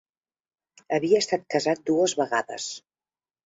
Havia estat casat dues vegades.